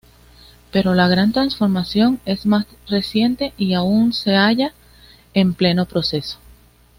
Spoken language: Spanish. Pero la gran transformación es más reciente y aún se halla en pleno proceso.